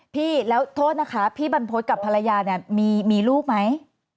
พี่แล้วโทษนะคะพี่บันพดกับภรรยามีลูกไหม